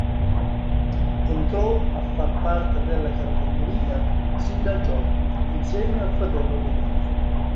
Entrò a far parte della Carboneria sin da giovane insieme al fratello Domenico.